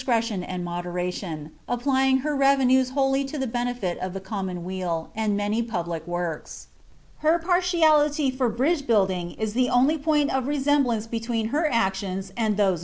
cretlun and muderalion, applyiti;; her rcvnnuea wholly to ilie bcnefiiof the roniiuon weal, and mnny public works.' Her partiality for briil^ huildmg is the only point of Tc^smblBiice between her actions aiul ihon .